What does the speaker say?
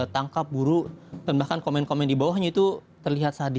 tangkap buruk dan bahkan komen komen di bawahnya itu terlihat sangat banyak